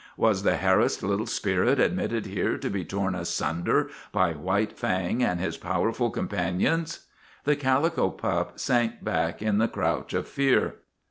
Was the harassed little spirit admitted here to be torn asunder by White Fang and his powerful com panions ? The calico pup sank back in the crouch of fear.